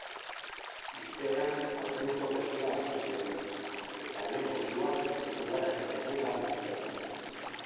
Irteeran aurreneko postua hartu zuen eta lehen postuan helmugaratu zen.